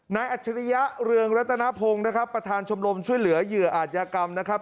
อัจฉริยะเรืองรัตนพงศ์นะครับประธานชมรมช่วยเหลือเหยื่ออาจยากรรมนะครับ